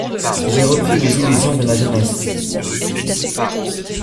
J'ai repris les illusions de ma jeunesse.